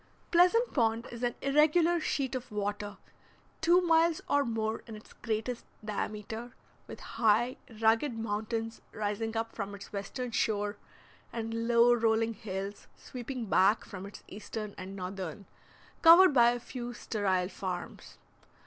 Pleasant Pond is an irregular sheet of water, two miles or more in its greatest diameter, with high, rugged mountains rising up from its western shore, and low rolling hills sweeping back from its eastern and northern, covered by a few sterile farms.